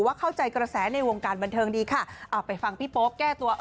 เข้าใจกระแสในวงการบันเทิงดีค่ะเอาไปฟังพี่โป๊ปแก้ตัว